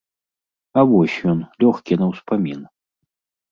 А вось ён, лёгкі на ўспамін.